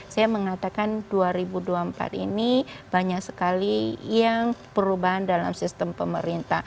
saya mengatakan dua ribu dua puluh empat ini banyak sekali yang perubahan dalam sistem pemerintah